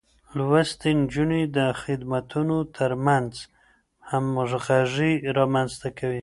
لوستې نجونې د خدمتونو ترمنځ همغږي رامنځته کوي.